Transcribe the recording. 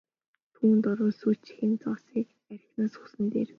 Түүнд орвол сүүлчийнхээ зоосыг архинаас өгсөн нь дээр!